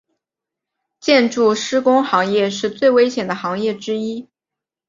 建筑施工行业是最危险的行业之一。